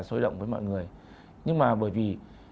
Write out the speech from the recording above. sôi động với mọi người nhưng mà bởi vì